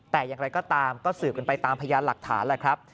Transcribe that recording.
แต่อย่างไรก็ตามก็สืบกันไปตามพยานหลักฐานแหละครับ